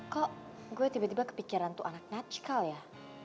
kok gue tiba tiba kepikiran tuh anak najkal ya